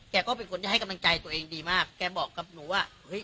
ก็เป็นคนที่ให้กำลังใจตัวเองดีมากแกบอกกับหนูว่าเฮ้ย